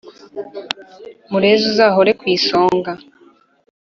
Murezi uzahore kw’isonga!